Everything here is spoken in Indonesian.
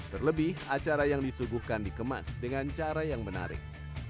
terlebih acara yang disuguhkan dikemas dengan cara yang menarik